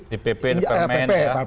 di pp di permen